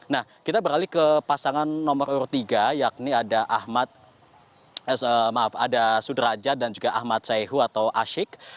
nah kita beralih ke pasangan nomor urut tiga yakni ada sudrajat dan ahmad syaihu atau asyik